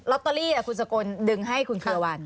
ตเตอรี่คุณสกลดึงให้คุณเครือวัน